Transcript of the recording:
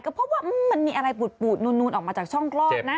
ก็เพราะว่ามันมีอะไรปูดนูนออกมาจากช่องคลอดนะ